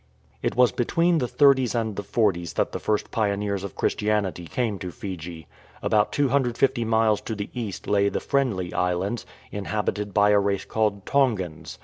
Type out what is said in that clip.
It was between the thirties and the forties that the first pioneers of Christianity came to Fiji. About 250 miles to the east lie the Friendly Islands, inhabited by a race called Tongans.